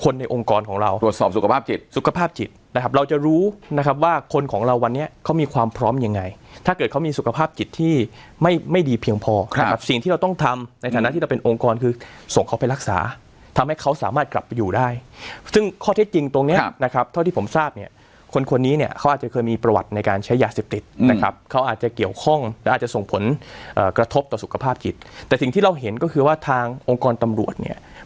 คนในองค์กรของเราตรวจสอบสุขภาพจิตสุขภาพจิตนะครับเราจะรู้นะครับว่าคนของเราวันนี้เขามีความพร้อมยังไงถ้าเกิดเขามีสุขภาพจิตที่ไม่ดีเพียงพอครับสิ่งที่เราต้องทำในฐานะที่เราเป็นองค์กรคือส่งเขาไปรักษาทำให้เขาสามารถกลับไปอยู่ได้ซึ่งข้อเท็จจริงตรงนี้นะครับเท่าที่ผมทราบเนี่ยคนนี้เนี่ย